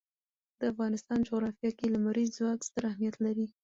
د افغانستان جغرافیه کې لمریز ځواک ستر اهمیت لري.